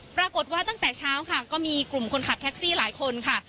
ตั้งแต่เช้าค่ะก็มีกลุ่มคนขับแท็กซี่หลายคนค่ะ